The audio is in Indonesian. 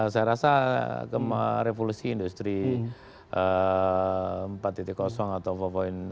saya rasa kema revolusi industri empat atau empat ini